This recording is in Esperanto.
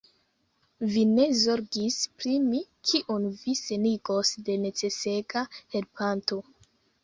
Vi ne zorgis pri mi, kiun vi senigos de necesega helpanto!